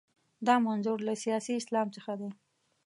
دا منظور له سیاسي اسلام څخه دی.